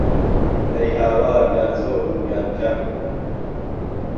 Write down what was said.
ئهی هاوار یان زۆر و یان کهم